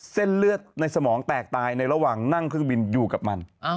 เส้นเลือดในสมองแตกตายในระหว่างนั่งเครื่องบินอยู่กับมัน